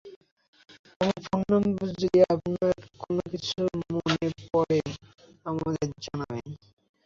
আমার phone number যদি আপনার কোনকিছু মনে পড়ে আমাদের জানাবেন।